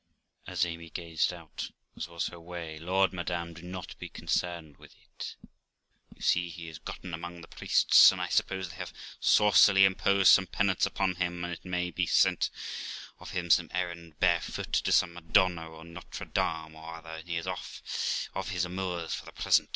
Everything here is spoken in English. Amy saw it, and gapes out (as was her way) 'Lawd, madam, never be concerned at it; you see he is gotten among the priests, and I suppose they have saucily imposed some penance upon him, and, it may be, sent him of an errand barefoot, to some Madonna, or Notredame, or other ; and he is off of his amours for the present.